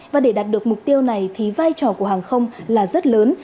và để đạt được mục tiêu này thì vai trò của hàng không là rất lớn